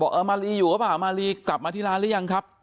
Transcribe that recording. มารีอยู่หรือเปล่ามารีกลับมาที่ร้านหรือยังครับ